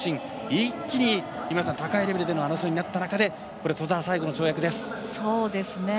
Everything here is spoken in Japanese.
一気に高いレベルでの争いになった中で兎澤、最後の跳躍です。